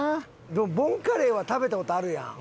でもボンカレーは食べた事あるやん。